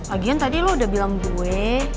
agian tadi lo udah bilang gue